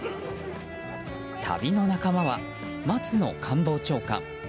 旅の仲間は松野官房長官。